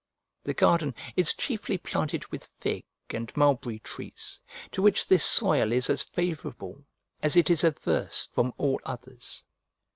The garden is chiefly planted with fig and mulberry trees, to which this soil is as favourable as it is averse from all others.